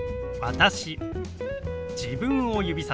「私」。